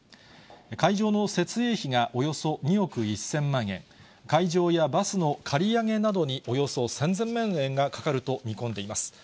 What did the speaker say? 会場の設営費がおよそ２億１０００万円、会場やバスの借り上げなどにおよそ３０００万円がかかると見込んでいます。